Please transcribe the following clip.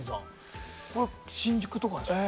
これは新宿とかですよね？